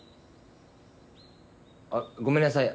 あっごめんなさい。